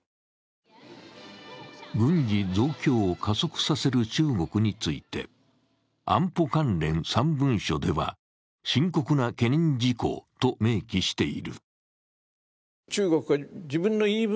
軍事増強を加速させる中国について安保関連３文書では「深刻な懸念事項」と明記している。